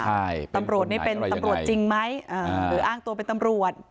ใช่ตำรวจนี่เป็นตำรวจจริงไหมหรืออ้างตัวเป็นตำรวจ